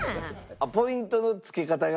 あっポイントのつけ方が。